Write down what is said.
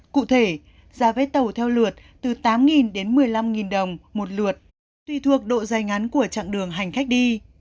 cụ thể giá vé tàu theo lượt từ tám đến một mươi năm đồng một lượt tùy thuộc độ dài ngắn của chặng đường hành khách đi